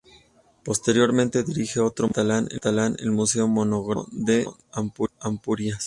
Posteriormente dirige otro museo catalán, el Museo Monográfico de Ampurias.